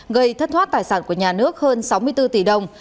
gây thất thoát tài sản của nhà nước hơn sáu mươi bốn tỷ đồng